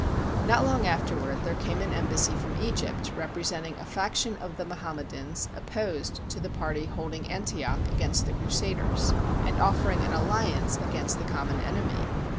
Not long afterward there came an embassy from Egypt representing a faction of the Mohammedans opposed to the party holding Antioch against the Crusaders, and offering an alliance against the com mon enemy.